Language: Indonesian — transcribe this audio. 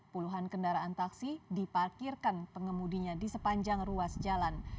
puluhan kendaraan taksi diparkirkan pengemudinya di sepanjang ruas jalan